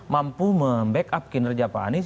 mampu membackup kinerja pak anies